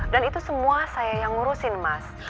dan itu semua saya yang ngurusin mas